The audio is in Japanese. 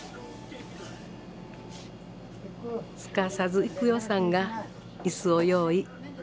すかさず郁代さんが椅子を用意。